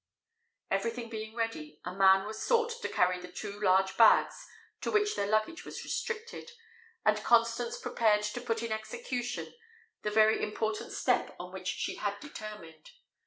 Everything being ready, a man was sought to carry the two large bags to which their luggage was restricted; and Constance prepared to put in execution the very important step on which she had determined.